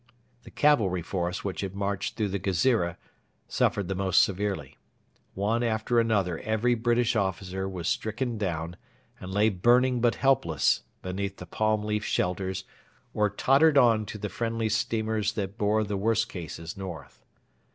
The cavalry force which had marched through the Ghezira suffered the most severely. One after another every British officer was stricken down and lay burning but helpless beneath the palm leaf shelters or tottered on to the friendly steamers that bore the worst cases north.